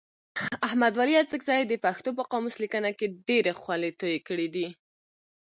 احمد ولي اڅکزي د پښتو په قاموس لیکنه کي ډېري خولې توی کړي دي.